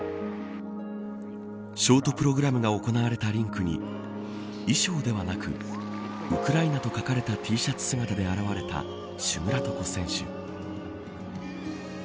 ショートプログラムが行われたリンクに衣装ではなくウクライナと書かれたＴシャツ姿で現れたシュムラトコ選手。